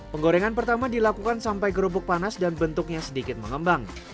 penggorengan pertama dilakukan sampai kerupuk panas dan bentuknya sedikit mengembang